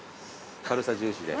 軽さ重視で。